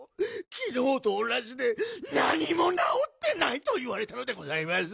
きのうとおなじでなにもなおってないといわれたのでございます。